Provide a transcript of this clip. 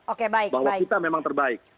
oke baik bahwa kita memang terbaik